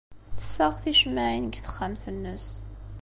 Tessaɣ ticemmaɛin deg texxamt-nnes.